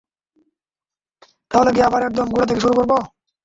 তাহলে কি আবার একদম গোড়া থেকে শুরু করবো?